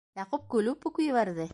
- Яҡуп көлөп үк ебәрҙе.